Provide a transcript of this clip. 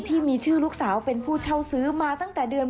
ที่มีชื่อลูกสาวเป็นผู้เช่าซื้อมาตั้งแต่เดือน